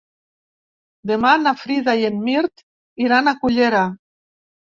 Demà na Frida i en Mirt iran a Cullera.